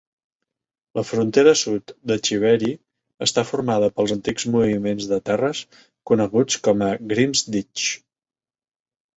La frontera sud de Chivery està formada pels antics moviments de terres coneguts com Grim's Ditch.